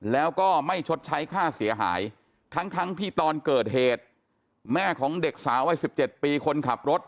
แล้วก็ไม่ชดใช้ค่าเสียหายทั้งที่ตอนเกิดเหตุแม่ของเด็กสาววัย๑๗ปีคนขับรถ